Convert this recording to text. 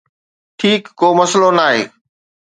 ٺيڪ، ڪو مسئلو ناهي